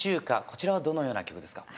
こちらはどのような曲ですか？